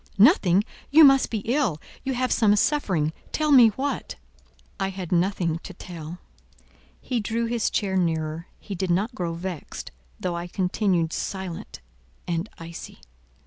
Nothing! You must be ill; you have some suffering; tell me what." I had nothing to tell. He drew his chair nearer. He did not grow vexed, though I continued silent and icy.